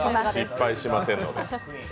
失敗しませんので。